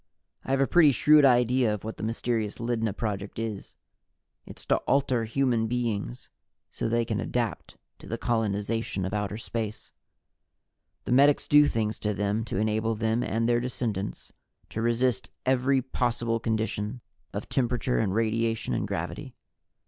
I have a pretty shrewd idea of what the mysterious Lydna Project is. It's to alter human beings so they can adapt to the colonization of outer space. The medics do things to them to enable them and their descendants to resist every possible condition of temperature and radiation and gravity.